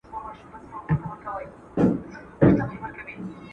که تاسي واردات کم نه کړئ، ارز به مو بهر ته لاړ سي.